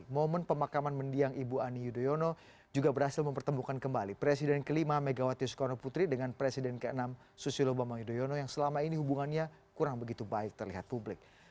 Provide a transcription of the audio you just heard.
momen pemakaman mendiang ibu ani yudhoyono juga berhasil mempertemukan kembali presiden kelima megawati soekarno putri dengan presiden ke enam susilo bambang yudhoyono yang selama ini hubungannya kurang begitu baik terlihat publik